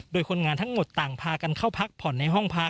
โดยคนงานทั้งหมดต่างพากันเข้าพักผ่อนในห้องพัก